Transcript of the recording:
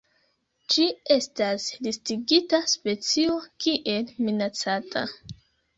Ĝi estas listigita specio kiel minacata.